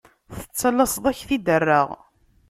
Tettalaseḍ ad k-t-id-rreɣ.